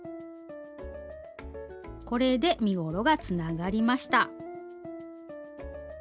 これで身ごろがつながりました。